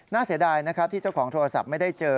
เสียดายนะครับที่เจ้าของโทรศัพท์ไม่ได้เจอ